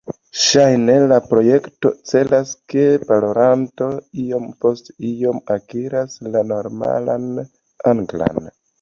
Ŝajne la projekto celas ke parolanto iom-post-iom akiras la normalan anglan.